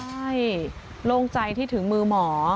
ใช่โล่งใจที่ถึงมือหมอ